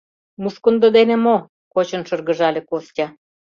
— Мушкындо дене мо? — кочын шыргыжале Костя.